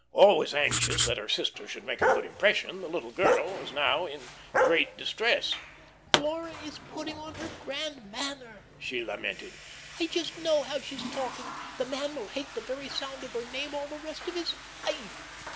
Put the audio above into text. Always anxious that her sister should make a good impression, the little girl was now in great distress. "Laura is putting on her 'grand manner,'" she lamented. "I just know how she's talking. The man will hate the very sound of her name all the rest of his life."